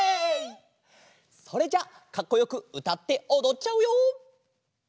それじゃあかっこよくうたっておどっちゃうよ！